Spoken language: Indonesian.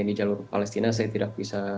ini jalur palestina saya tidak bisa